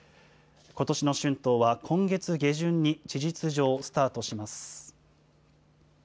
ことしの春闘は、今月下旬に事実上スタートします。